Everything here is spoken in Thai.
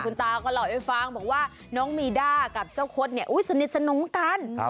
ตาก็เล่าให้ฟังบอกว่าน้องมีด้ากับเจ้าคดเนี่ยสนิทสนมกัน